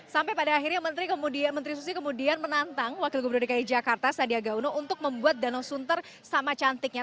sampai pada akhirnya menteri susi kemudian menantang wakil gubernur dki jakarta sandiaga uno untuk membuat danau sunter sama cantiknya